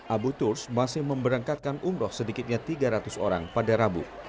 abu turs masih memberangkatkan umroh sedikitnya tiga ratus orang pada rabu